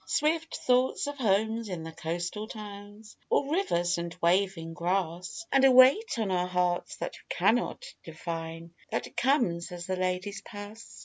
Swift thoughts of homes in the coastal towns Or rivers and waving grass And a weight on our hearts that we cannot define That comes as the ladies pass.